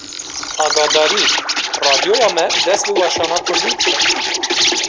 Agahdarî! Radyoya me dest bi weşana Kurdî dike